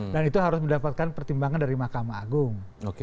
dan itu harus mendapatkan pertimbangan dari mahkamah agung